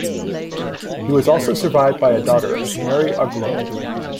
He was also survived by a daughter, Mary Uglow.